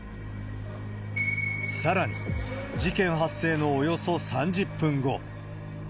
さらに、事件発生のおよそ３０分後。